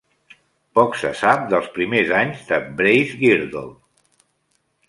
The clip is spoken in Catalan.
Poc se sap dels primers anys de Bracegirdle.